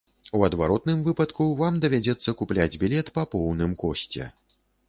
У адваротным выпадку вам давядзецца купляць білет па поўным кошце.